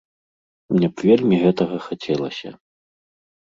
Мне б вельмі гэтага хацелася.